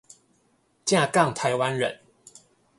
正港台灣人